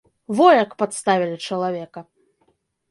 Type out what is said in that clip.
Во як падставілі чалавека.